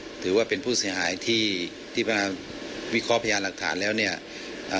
หากผู้ต้องหารายใดเป็นผู้ต้องหารายใดเป็นผู้กระทำจะแจ้งข้อหาเพื่อสรุปสำนวนต่อพนักงานอายการจังหวัดกรสินต่อไป